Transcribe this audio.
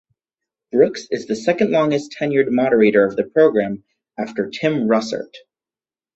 Brooks is the second-longest tenured moderator of the program, after Tim Russert.